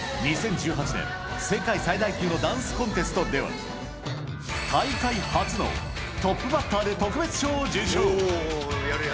２０１８年、世界最大級のダンスコンテストでは、大会初のトップバッターで特別賞を受賞。